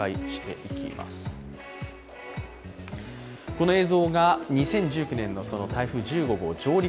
この映像が２０１９年の台風１５号上陸